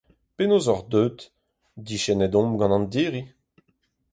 Penaos oc’h deuet ? Diskennet omp gant an diri.